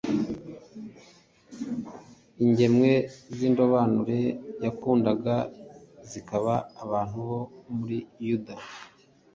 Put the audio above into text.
ingemwe z’indobanure yakundaga, zikaba abantu bo muri Yuda.